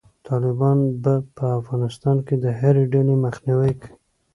طالبان به په افغانستان کې د هري ډلې مخنیوی کوي.